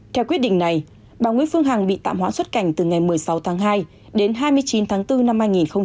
theo quyết định này bà nguyễn phương hằng bị tạm hoãn xuất cảnh từ ngày một mươi sáu tháng hai đến hai mươi chín tháng bốn năm hai nghìn hai mươi